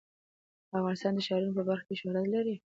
افغانستان د ښارونو په برخه کې شهرت لري.